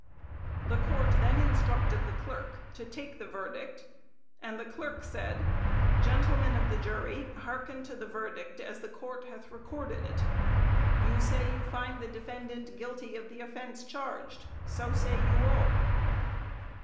The Court then instructed the clerk to take the verdict, and the clerk said, "Gentlemen of the jury, hearken to the verdict as the Court hath recorded it. You say you find the defendant guilty of the offence charged. So say you all."